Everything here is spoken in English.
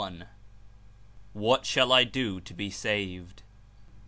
'' 121 "what shall I DO TO BE SAVED?''